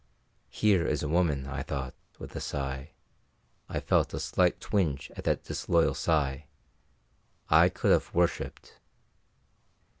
Here is a woman, I thought with a sigh I felt a slight twinge at that disloyal sigh I could have worshipped.